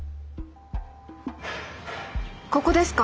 ここですか？